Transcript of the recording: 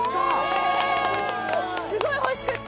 すごい欲しくって。